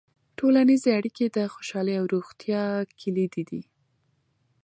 ټولنیزې اړیکې د خوشحالۍ او روغتیا کلیدي دي.